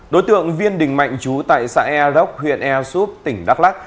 đối tượng viên đình mạnh chú tại xã ea rốc huyện ea súp tỉnh đắk lắc